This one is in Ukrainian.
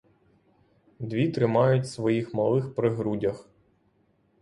Дві тримають своїх малих при грудях.